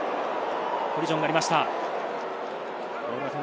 コリジョンがありました。